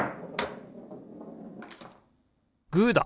グーだ！